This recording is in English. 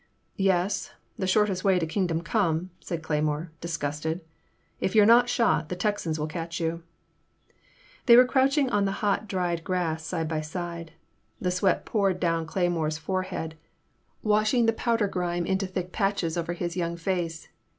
Yes, the shortest way to Kingdom come,'* said Cleymore, disgusted; if you *re not shot, the Texans will catch you. They were crouching on the hot dried grass, side by side. The sweat poured down Cleymore* s forehead washing the powder grime into thick In the Name of the Most High, 205 patches over his young face.